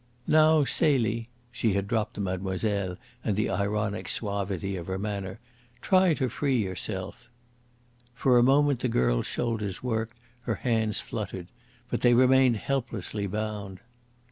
"Now, Celie" she had dropped the "Mlle." and the ironic suavity of her manner "try to free yourself." For a moment the girl's shoulders worked, her hands fluttered. But they remained helplessly bound.